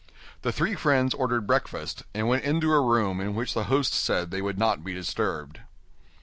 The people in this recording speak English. The three friends ordered breakfast, and went into a room in which the host said they would not be disturbed.